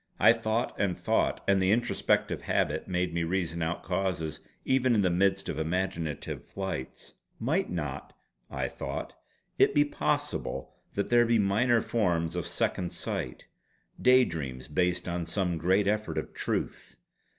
I thought and thought; and the introspective habit made me reason out causes even in the midst of imaginative flights. "Might not" I thought "it be possible that there be minor forms of Second Sight; Day Dreams based on some great effort of truth.